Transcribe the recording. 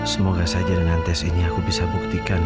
semoga saja dengan tes ini aku bisa buktikan